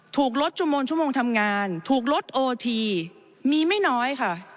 ถูกลดชั่วโมงทำงานถูกลดโอทีมีไม่น้อยค่ะ